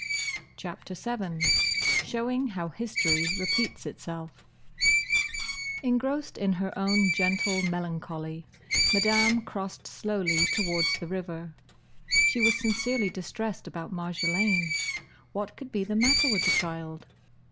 *CHAPTER VII* *SHOWING HOW HISTORY REPEATS ITSELF* [Illustration: Chapter VII headpiece] Engrossed in her own gentle melancholy Madame crossed slowly towards the river. She was sincerely distressed about Marjolaine. What could be the matter with the child?